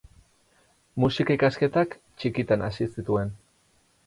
Musika ikasketak txikitan hasi zituen.